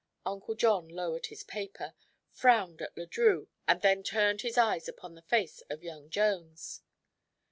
Uncle John lowered his paper, frowned at Le Drieux and then turned his eyes upon the face of young Jones.